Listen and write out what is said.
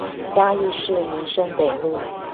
嘉義市民生北路